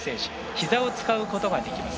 ひざを使うことができます。